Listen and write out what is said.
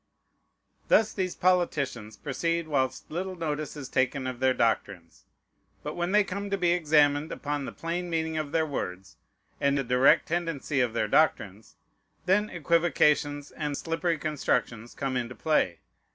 Thus these politicians proceed, whilst little notice is taken of their doctrines; but when they come to be examined upon the plain meaning of their words and the direct tendency of their doctrines, then equivocations and slippery constructions come into play.